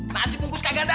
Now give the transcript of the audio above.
nasi bungkus kagak ada